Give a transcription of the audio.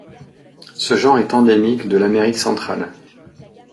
Ce genre est endémique de l'Amérique centrale.